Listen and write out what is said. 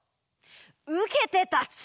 うけてたつ！